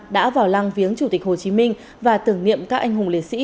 đã vào lăng viếng chủ tịch hồ chí minh và tưởng niệm các anh hùng liệt sĩ